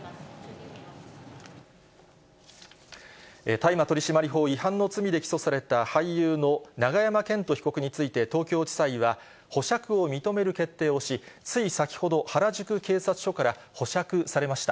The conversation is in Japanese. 大麻取締法違反の罪で起訴された俳優の永山絢斗被告について、東京地裁は、保釈を認める決定をし、つい先ほど、原宿警察署から保釈されました。